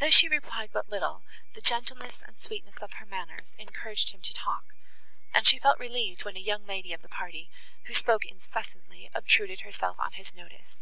Though she replied but little, the gentleness and sweetness of her manners encouraged him to talk, and she felt relieved when a young lady of the party, who spoke incessantly, obtruded herself on his notice.